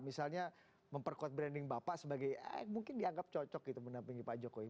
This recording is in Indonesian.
misalnya memperkuat branding bapak sebagai eh mungkin dianggap cocok gitu menampingi pak jokowi